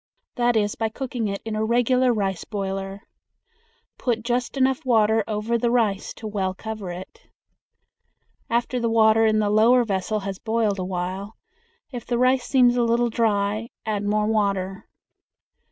That is by cooking it in a regular rice boiler. Put just enough water over the rice to well cover it. After the water in the lower vessel has boiled a while, if the rice seems a little dry, add more water.